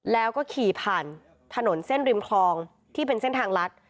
แล้วก็ขี่ผ่านถนนเส้นริมคลองที่เป็นเส้นทางลัด